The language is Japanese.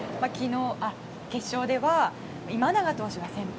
決勝では今永投手が先発。